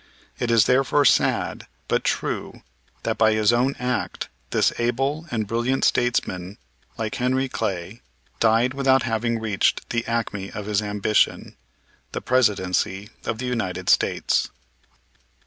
It is therefore sad, but true, that by his own act this able and brilliant statesman, like Henry Clay, died without having reached the acme of his ambition, the Presidency of the United States.